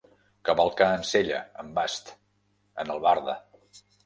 Cavalcar en sella, en bast, en albarda.